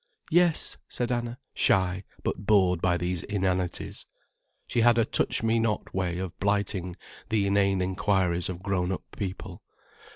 "Yes," said Anna, shy, but bored by these inanities. She had a touch me not way of blighting the inane inquiries of grown up people.